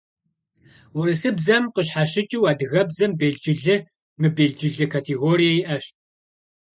Урысыбзэм къыщхьэщыкӏыу адыгэбзэм белджылы, мыбелджылы категорие иӏэщ.